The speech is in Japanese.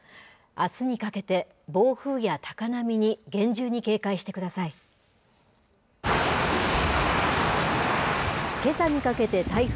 あすにかけて、暴風や高波に厳重に警戒してください。